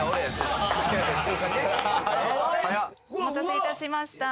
お待たせいたしました。